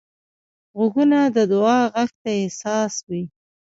غوږونه د دعا غږ ته حساس وي